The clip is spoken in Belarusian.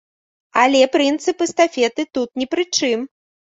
Але прынцып эстафеты тут ні пры чым.